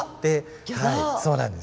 そうなんです。